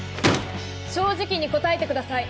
正直に答えてください。